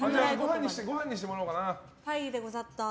ごはんにしてもらおうかな？